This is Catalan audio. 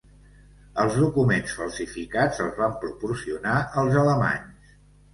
Els documents falsificats els van proporcionar els alemanys.